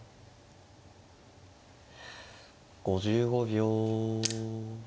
５５秒。